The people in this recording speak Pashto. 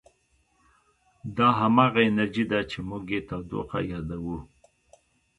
دا همغه انرژي ده چې موږ یې تودوخه یادوو.